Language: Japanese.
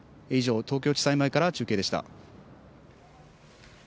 以上、東京地裁前から中継でした。